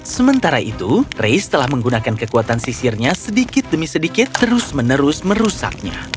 sementara itu race telah menggunakan kekuatan sisirnya sedikit demi sedikit terus menerus merusaknya